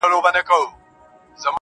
o جادوگري جادوگر دي اموخته کړم.